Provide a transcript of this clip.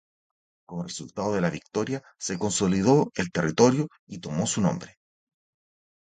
Como resultado de la victoria de consolidó el territorio y tomó su nombre.